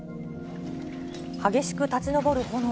激しく立ち上る炎。